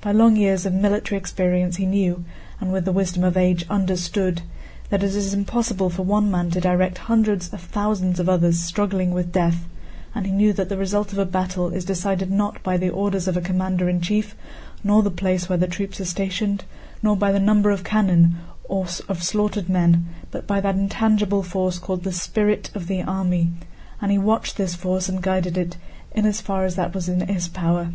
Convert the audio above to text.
By long years of military experience he knew, and with the wisdom of age understood, that it is impossible for one man to direct hundreds of thousands of others struggling with death, and he knew that the result of a battle is decided not by the orders of a commander in chief, nor the place where the troops are stationed, nor by the number of cannon or of slaughtered men, but by that intangible force called the spirit of the army, and he watched this force and guided it in as far as that was in his power.